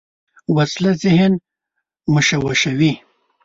وسله ذهن مشوشوي